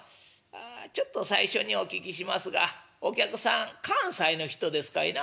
「あちょっと最初にお聞きしますがお客さん関西の人ですかいな？」。